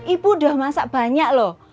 ibu udah masak banyak loh